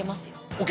ＯＫ！